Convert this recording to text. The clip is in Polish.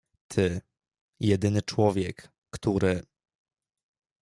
"Ty, jedyny człowiek, który..."